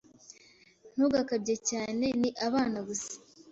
Ntugakabye cyane. Ni abana gusa.